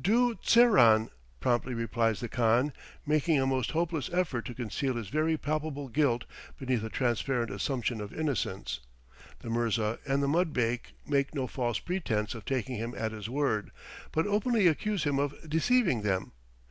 "Doo Tceran," promptly replies the khan, making a most hopeless effort to conceal his very palpable guilt beneath a transparent assumption of innocence. The mirza and the mudbake make no false pretence of taking him at his word, but openly accuse him of deceiving them.